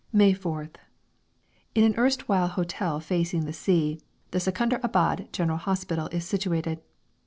May 4th. In an erstwhile hotel facing the sea the Secunderabad General Hospital is situated.